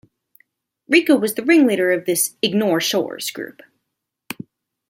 Rico was the ringleader of this 'ignore Shores' group.